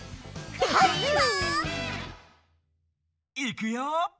いくよ！